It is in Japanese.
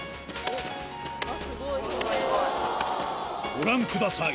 ご覧ください